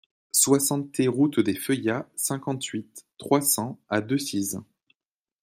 soixante T route des Feuillats, cinquante-huit, trois cents à Decize